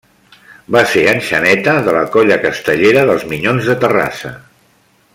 Va ser enxaneta de la colla castellera dels Minyons de Terrassa.